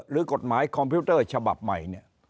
หรือกฎหมายคอมพิวเตอร์ฉบับใหม่